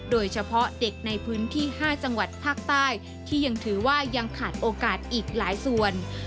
โดยเฉพาะเด็กในพื้นที่๕จังหวัดภาคใต้ที่ยังถือว่ายังขาดโอกาสอีกหลายส่วน